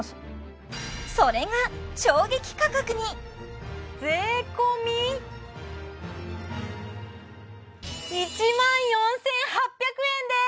それが衝撃価格に税込１万４８００円です！